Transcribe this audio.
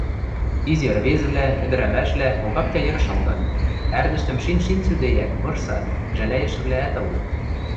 Изи ӹрвезӹвлӓ, ӹдӹрӓмӓшвлӓ Огаптя йӹр шалгат, ӓрдӹштӹм шин-шин цӱдейӓт, вырсат, жӓлайӹшӹвлӓӓт ылыт.